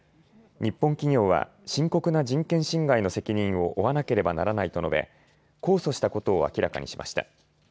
日本企業は深刻な人権侵害の責任を負わなければならないと述べ控訴したことを明らかにしました。